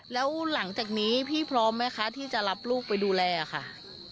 แล้วหลังจากนี้พี่พร้อมไหมคะที่จะรับลูกไปดูแลค่ะ